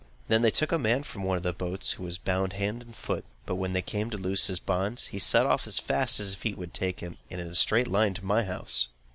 They then took a man from one of the boats, who was bound hand and foot; but when they came to loose his bonds, he set off as fast as his feet would take him, and in a straight line to my house.